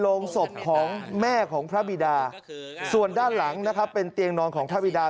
โรงศพของแม่ของพระบิดาส่วนด้านหลังนะครับเป็นเตียงนอนของพระบิดา